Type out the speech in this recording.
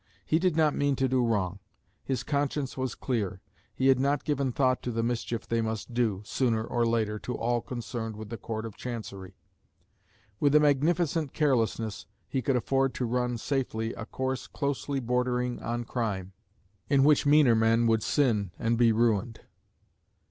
He did not mean to do wrong: his conscience was clear; he had not given thought to the mischief they must do, sooner or later, to all concerned with the Court of Chancery. With a magnificent carelessness he could afford to run safely a course closely bordering on crime, in which meaner men would sin and be ruined.